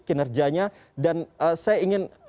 kinerjanya dan saya ingin